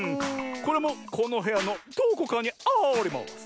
これもこのへやのどこかにあります。